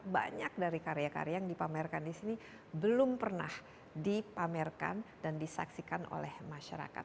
banyak dari karya karya yang dipamerkan di sini belum pernah dipamerkan dan disaksikan oleh masyarakat